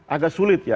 agak sulit ya